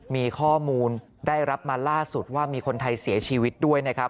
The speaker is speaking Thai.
มีข้อมูลได้รับมาล่าสุดว่ามีคนไทยเสียชีวิตด้วยนะครับ